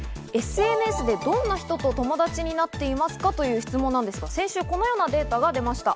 ＳＮＳでどんな人と友達になっていますか？という質問なんですが、先週このようなデータが出ました。